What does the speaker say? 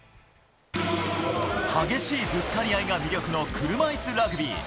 激しいぶつかり合いが魅力の車いすラグビー。